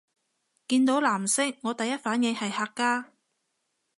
見到藍色我第一反應係客家